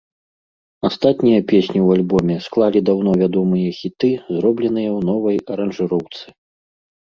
Астатнія песні ў альбоме склалі даўно вядомыя хіты, зробленыя ў новай аранжыроўцы.